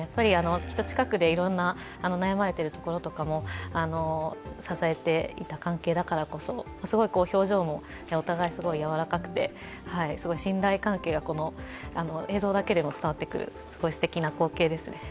きっと近くでいろいろ悩まれているところなども支えていた関係だからこそ、すごく表情もお互いすごいやわらかくて信頼関係が映像を見ても伝わってくるすごいすてきな光景ですね。